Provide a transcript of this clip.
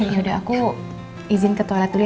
yaudah aku izin ke toilet dulu ya